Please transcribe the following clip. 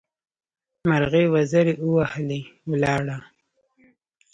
مرغۍ وزرې ووهلې؛ ولاړه.